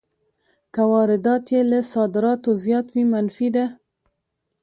که واردات یې له صادراتو زیات وي منفي ده